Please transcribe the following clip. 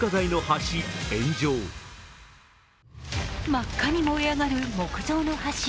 真っ赤に燃え上がる木造の橋